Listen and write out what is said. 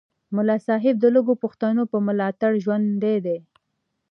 ملا صاحب د لږو پښتنو په ملاتړ ژوندی دی